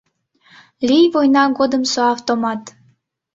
Лий война годымсо автомат!